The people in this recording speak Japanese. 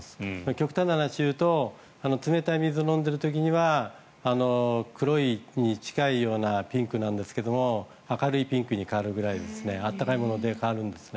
極端な話で言うと冷たい水を飲んでる時には黒に近いようなピンクなんですが明るいピンクに変わるくらい温かいもので変わるんです。